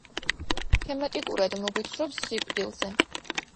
თემატიკურად მოგვითხრობს სიკვდილზე.